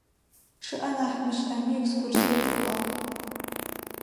Чъыӏэ нахь мышӏэми, экскурсие тыкӏуагъ.